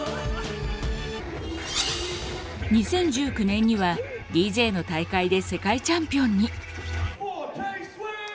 ２０１９年にはＤＪの大会で世界チャンピオンに。